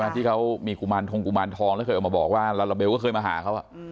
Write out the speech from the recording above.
ที่เขามีกุมารทงกุมารทองแล้วเคยออกมาบอกว่าลาลาเบลก็เคยมาหาเขา